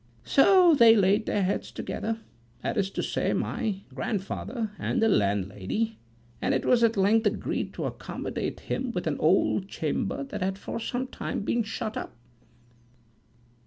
So they laid their heads together, that is to say, my grandfather and the landlady, and it was at length agreed to accommodate him with an old chamber that had for some time been shut up."